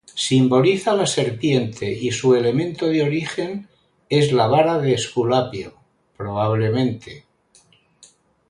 Simboliza la Serpiente y su elemento de origen es la Vara de Esculapio, probablemente.